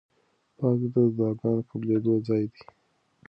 پاک زړه د دعاګانو د قبلېدو ځای دی.